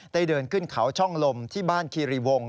เดินขึ้นเขาช่องลมที่บ้านคีรีวง